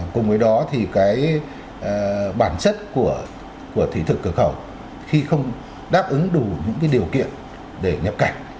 cùng với đó thì bản chất của thị thực cửa khẩu khi không đáp ứng đủ những điều kiện để nhập cảnh